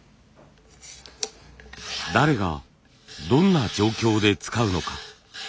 誰がどんな状況で使うのか。